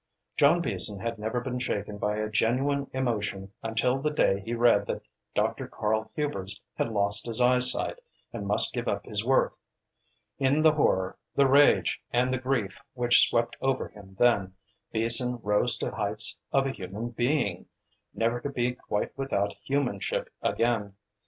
John Beason had never been shaken by a genuine emotion until the day he read that Dr. Karl Hubers had lost his eyesight and must give up his work. In the horror, the rage and the grief which swept over him then, Beason rose to the heights of a human being, never to be quite without humanship again.